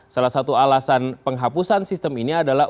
salah satu alasan penghapusan sistem ini adalah